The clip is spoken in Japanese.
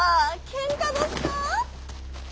けんかどすか？